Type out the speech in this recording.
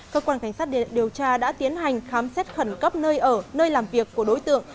cơ quan cảnh sát điều tra đã tiến hành khám xét khẩn cấp nơi ở nơi làm việc của đối tượng